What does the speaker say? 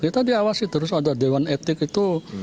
kita diawasi terus ada dewan etik itu